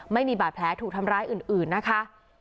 ไม่มีบาดแผลถูกทำร้ายอื่นนะคะ